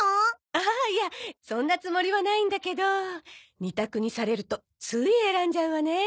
ああいやそんなつもりはないんだけど二択にされるとつい選んじゃうわね。